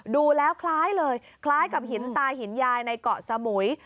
ดูแล้วคล้ายเลยคล้ายกับหินตาหินยายในเกาะสมุย